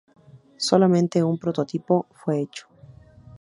Solamente un prototipo fue hecho.